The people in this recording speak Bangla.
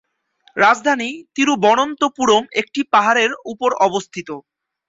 রাজধানী তিরুবনন্তপুরম একটি পাহাড়ের উপর অবস্থিত।